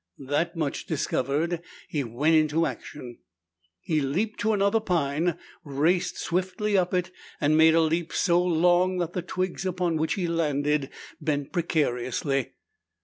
That much discovered, he went into action. He leaped to another pine, raced swiftly up it, and made a leap so long that the twigs upon which he landed bent precariously.